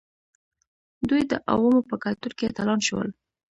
دوی د عوامو په کلتور کې اتلان شول.